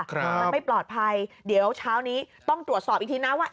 มันไม่ปลอดภัยเดี๋ยวเช้านี้ต้องตรวจสอบอีกทีนะว่า